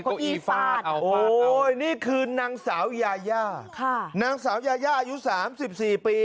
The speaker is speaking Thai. เก้าอี้ฟาดโอ้โหนี่คือนางสาวยาย่านางสาวยาย่าอายุ๓๔ปี